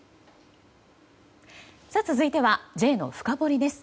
続いてはＪのフカボリです。